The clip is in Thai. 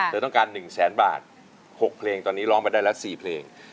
เธอต้องการ๑แสนบาท๖เพลงตอนนี้ร้องไปได้แล้ว๔เพลง